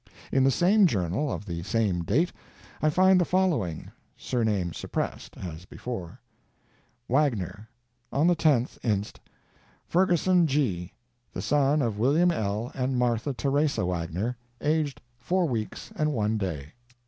In the same journal, of the same date, I find the following (surname suppressed, as before): Wagner. On the 10th inst., Ferguson G., the son of William L. and Martha Theresa Wagner, aged 4 weeks and 1 day.